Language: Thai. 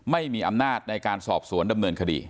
ไม่มีอำนาจในการสอบสวนดำเนินคดี